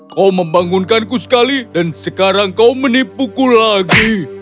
kau membangunkanku sekali dan sekarang kau menipuku lagi